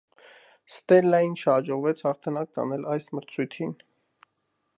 Ստելլային չհաջողվեց հաղթանական տանել այս մրցույթին։